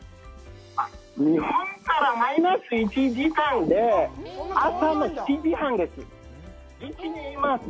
日本からマイナス１時間で朝の７時半です。